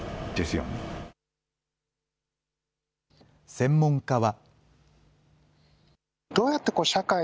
専門家は。